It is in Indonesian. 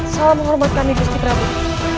salam hormat kami gusti prasad